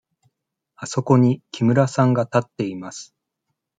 あそこに木村さんが立っています。